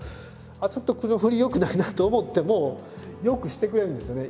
「ちょっとこの振り良くないな」と思っても良くしてくれるんですよね。